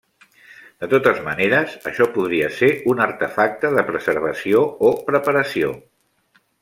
De totes maneres, això podria ser un artefacte de preservació o preparació.